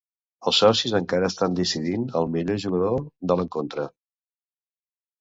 Els socis encara estan decidint el millor jugador de l'encontre.